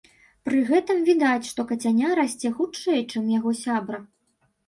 Пры гэтым відаць, што кацяня расце хутчэй, чым яго сябра.